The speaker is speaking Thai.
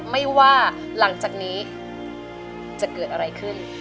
ไม่ว่าหลังจากนี้จะเกิดอะไรขึ้น